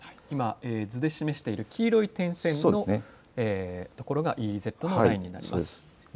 今、図で示している黄色い点線の所がＥＥＺのラインになります。